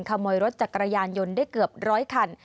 ขโมยรถจักรยานยนต์ได้เกือบร้อยคัน